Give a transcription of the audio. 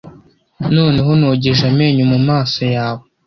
Noneho nogeje amenyo mumaso yawe,